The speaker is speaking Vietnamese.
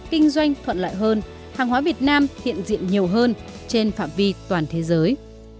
kinh doanh thuận lợi hơn hàng hóa việt nam hiện diện nhiều hơn trên phạm vi toàn thế giới